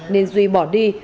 nên duy bỏ đi